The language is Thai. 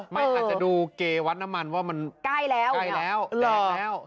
ไม่อาจจะดูเกวัดน้ำมันว่ามันแก้แล้วแก้แล้วแก้แล้วหรอ